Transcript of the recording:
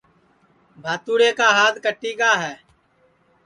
ٻھاتوڑے کا ہات کٹی گا ہے